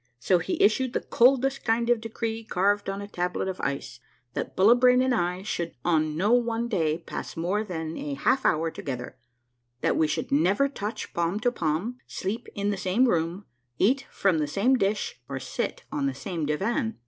So he issued the coldest kind of a decree carved on a tablet of ice, that Bullibrain 160 A MAHVELLOl/S UNDERGROUND JOURNEY and I should on no one day pass more than a lialf hour to gether ; that we should never touch palm to palm, sleep in the same room, eat from the same dish, or sit on the same divan.